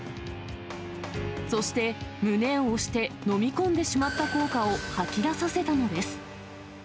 そして、胸を押して飲み込んでしまった硬貨を吐き出させたのです。